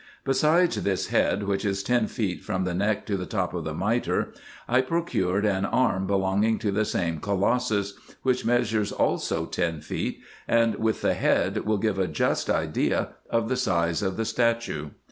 Besides this head, which is ten feet from the neck to the top of the mitre, I procured an arm belonging to the same colossus, which measures also ten feet, and with the head, will give a just idea of the size of the statue.